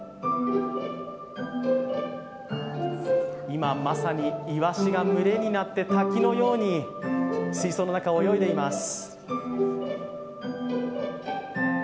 今、まさにイワシが群れになって滝のように水槽の中を泳いでいます。